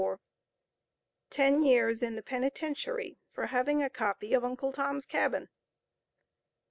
TEN YEARS IN THE PENITENTIARY FOR HAVING A COPY OF UNCLE TOM'S CABIN.